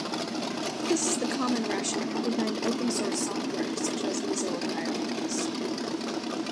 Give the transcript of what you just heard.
This is the common rationale behind open-source software, such as Mozilla Firefox.